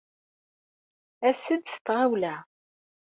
As-d s tɣawla!